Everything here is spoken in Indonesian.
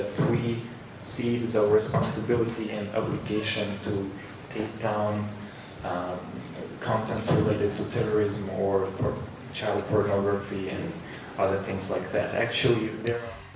kemenkominfo juga akan menjelaskan aturan telegram di jawa tenggara